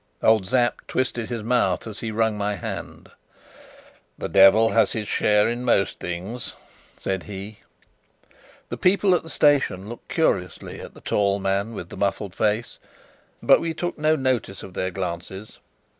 Old Sapt twisted his mouth as he wrung my hand. "The devil has his share in most things," said he. The people at the station looked curiously at the tall man with the muffled face, but we took no notice of their glances.